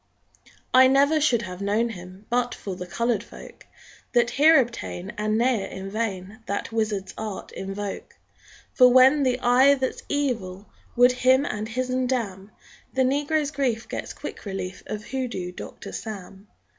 _ I never should have known him But for the colored folk That here obtain And ne'er in vain That wizard's art invoke; For when the Eye that's Evil Would him and his'n damn, The negro's grief gets quick relief Of Hoodoo Doctor Sam.